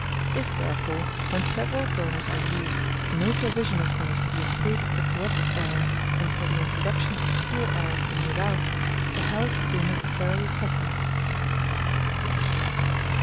If, therefore, when several burners are used, no provision is made for the escape of the corrupted air and for the introduction of pure air from without, the health will necessarily suffer.